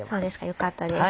よかったです